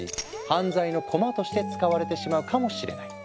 犯罪のコマとして使われてしまうかもしれない。